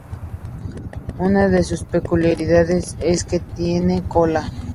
Una de sus peculiaridades es que tiene cola.